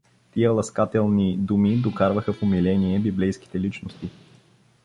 Тия ласкателни думи докарваха в умиление библейските личности.